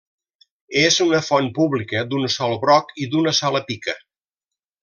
És una font pública d'un sol broc i d'una sola pica.